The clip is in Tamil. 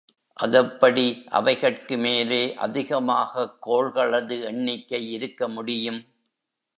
அதெப்படி அவைகட்கு மேலே அதிகமாகக் கோள்களது எண்ணிக்கை இருக்க முடியும்?